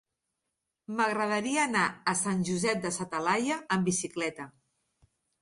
M'agradaria anar a Sant Josep de sa Talaia amb bicicleta.